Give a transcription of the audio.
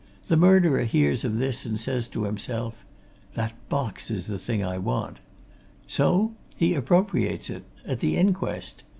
The murderer hears of this and says to himself, 'That box is the thing I want!' So he appropriates it, at the inquest!